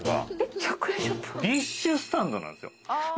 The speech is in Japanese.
ディッシュスタンドなんですよ。